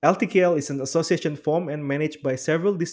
ltkl adalah asosiasi yang disesuaikan dan diurus oleh beberapa pemerintah distrik